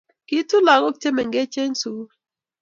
Kiitu lagok che mengech eng sukul